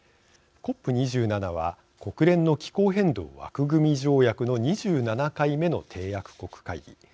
ＣＯＰ２７は国連の気候変動枠組条約の２７回目の締約国会議。